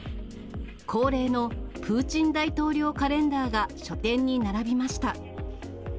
恒例のプーチン大統領カレンダーが書店に並びました。